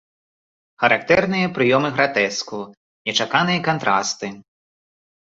Характэрныя прыёмы гратэску, нечаканыя кантрасты.